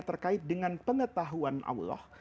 terkait dengan pengetahuan allah